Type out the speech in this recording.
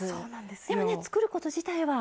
でも作ること自体は。